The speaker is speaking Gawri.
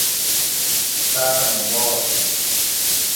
تاۤتہ مُوں باس ہُو